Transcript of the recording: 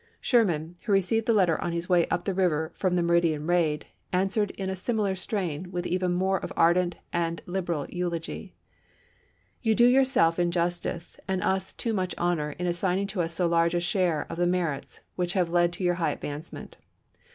Sherman, who received the letter on his way up the river from the Meridian raid, answered in a similar strain with even more of ardent and liberal eulogy: " You do yourself injustice and us too much honor in assigning to us so large a share of the merits which have led to your high advancement.